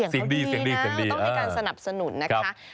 เสียงเขาดีนะต้องให้การสนับสนุนนะคะ